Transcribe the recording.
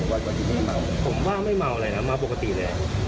ผมว่าไม่เมาเลยนะเมาปกติเลย